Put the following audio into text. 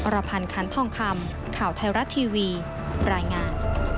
รพันธ์คันทองคำข่าวไทยรัฐทีวีรายงาน